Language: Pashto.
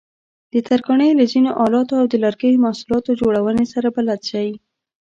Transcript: د ترکاڼۍ له ځینو آلاتو او د لرګیو محصولاتو جوړونې سره بلد شئ.